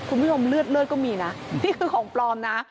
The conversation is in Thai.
คุณผู้ชมเลือดเลือดก็มีนะนี่คือของปลอมนะ